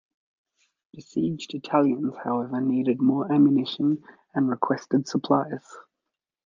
The besieged Italians, however, needed more ammunition and requested supplies.